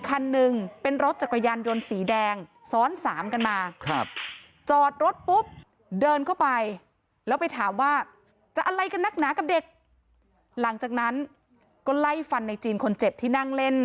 อะไรกันนักหนากับเด็กหลังจากนั้นก็ไล่ฟันในจีนคนเจ็บที่นั่งเล่น